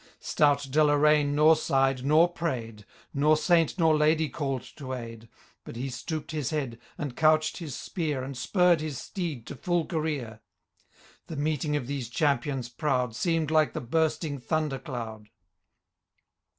Stout Deloraine nor sighed nor pray*d. Nor saint nor ladye oallM to aid ; But he stooped his head, and couched his spwt Ajid spurred his steed to full career. The meeting of these champions proud SeemM like the bursting, thunder cloud.